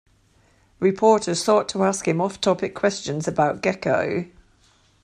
Reporters sought to ask him off-topic questions about Gekko.